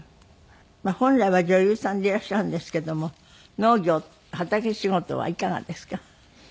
本来は女優さんでいらっしゃるんですけども農業畑仕事はいかがですか？